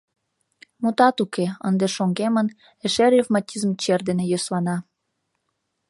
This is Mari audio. Мутат уке, ынде шоҥгемын, эше ревматизм чер дене йӧслана.